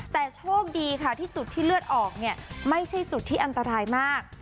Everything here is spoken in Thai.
แต่โชคดีค่ะที่จุดที่เลือดออกเนี่ยไม่ใช่จุดที่อันตรายมาก